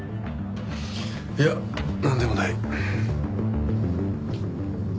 いやなんでもない。